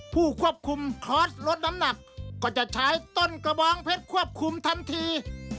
ผู้ควบคุมคอร์สลดน้ำหนักก็จะใช้ต้นกระบองเพชรควบคุมทันที